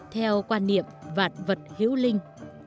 theo quan niệm vạn vật hiếu linh